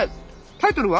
タイトルは？